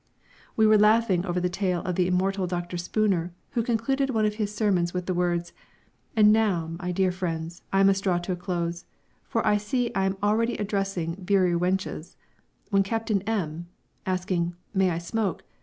We were laughing over the tale of the immortal Dr. Spooner who concluded one of his sermons with the words: "And now, dear friends, I must draw to a close, for I see I am already addressing beery wenches!" when Captain M , asking "May I smoke?"